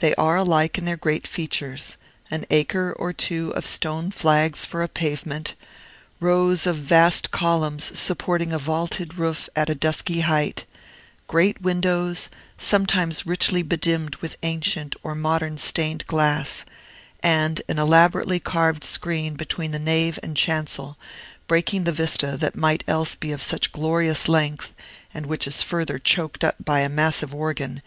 They are alike in their great features: an acre or two of stone flags for a pavement; rows of vast columns supporting a vaulted roof at a dusky height; great windows, sometimes richly bedimmed with ancient or modern stained glass; and an elaborately carved screen between the nave and chancel, breaking the vista that might else be of such glorious length, and which is further choked up by a massive organ.